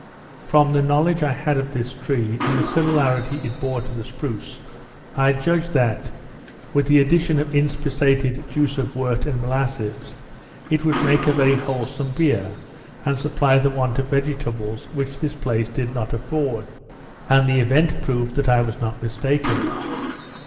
From the knowledge I had of this tree, and the similarity it bore to the spruce, I judged that, with the addition of inspissated juice of wort and molasses, it would make a very wholesome beer, and supply the want of vegetables, which this place did not afford; and the event proved that I was not mistaken.